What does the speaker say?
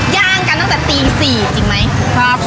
ย่างกันตั้งแต่ตี๔จริงไหม